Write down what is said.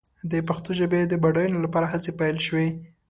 د پښتو ژبې د بډاینې لپاره هڅې پيل شوې.